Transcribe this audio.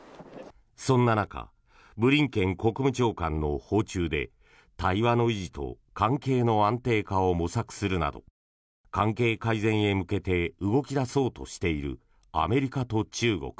そんな中ブリンケン国務長官の訪中で対話の維持と関係の安定化を模索するなど関係改善へ向けて動き出そうとしているアメリカと中国。